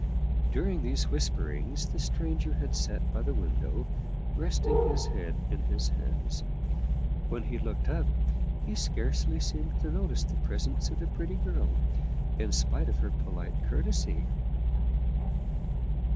During these whisperings the stranger had sat by the window, resting his head in his hands. When he looked up, he scarcely seemed to notice the presence of the pretty girl, in spite of her polite cour tesy.